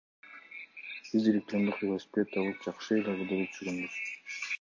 Биз электрондук велосипед алып жакшы эле кыдырып жүргөнбүз.